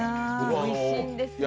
おいしいんですよ。